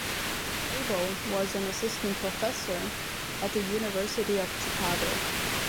Abel was an assistant professor at the University of Chicago.